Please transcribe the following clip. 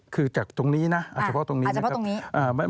คือจากตรงนี้นะเฉพาะตรงนี้นะครับ